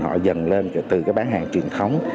họ dần lên từ bán hàng truyền thống